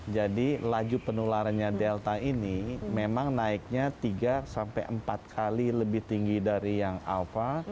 jadi laju penularannya delta ini memang naiknya tiga sampai empat kali lebih tinggi dari yang alfa